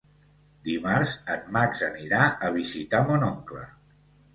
Dimarts en Max anirà a visitar mon oncle.